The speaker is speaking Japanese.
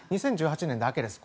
２０１８年だけです。